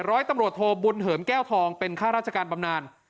ร้อยตำรวจโทบุญเหิมแก้วทองเป็นข้าราชการบำนาน